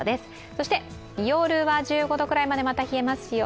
そして夜は１５度くらいまでまた冷えますよ。